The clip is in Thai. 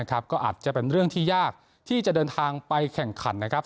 ก็อาจจะเป็นเรื่องที่ยากที่จะเดินทางไปแข่งขันนะครับ